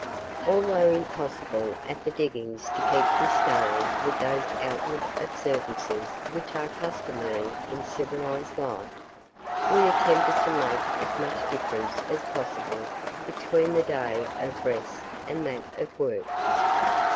Although impossible at the diggings to keep this day with those outward observances which are customary in civilized life, we attempted to make as much difference as possible between the day of rest and that of work.